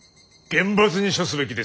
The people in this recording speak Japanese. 厳罰に処すべきですな。